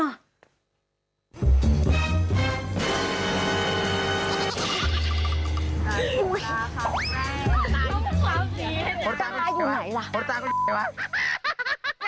ดัดขนตาครับแม่ต้องความดีนะขนตาคือเฉียวะขนตาคือเฉียวะ